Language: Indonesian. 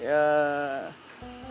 saya kira tidak